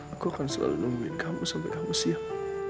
aku akan selalu nungguin kamu sampai kamu siap